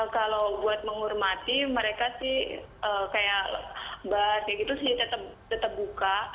kalau buat menghormati mereka sih kayak mbak kayak gitu sih tetap buka